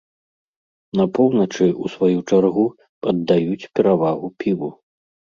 На поўначы, у сваю чаргу, аддаюць перавагу піву.